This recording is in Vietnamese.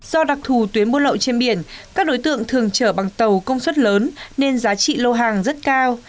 do đặc thù tuyến buôn lậu trên biển các đối tượng thường chở bằng tàu công suất lớn nên giá trị lô hàng rất cao